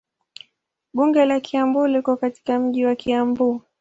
Bunge la Kiambu liko katika mji wa Kiambu.